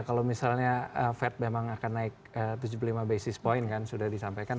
kalau misalnya fed memang akan naik tujuh puluh lima basis point kan sudah disampaikan